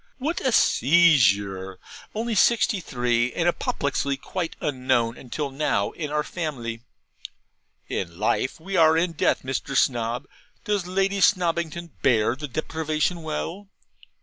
What a seizure! only sixty three, and apoplexy quite unknown until now in our family! In life we are in death, Mr. Snob. Does Lady Snobbington bear the deprivation well?'